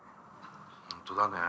本当だね。